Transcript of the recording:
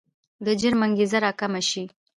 د جرم انګېزه راکمه شي.